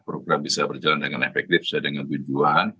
program bisa berjalan dengan efektif sesuai dengan tujuan